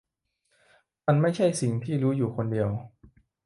มันไม่ใช่สิ่งที่รู้อยู่คนเดียว